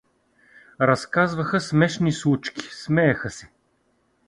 Разказваха смешни случки, смееха се.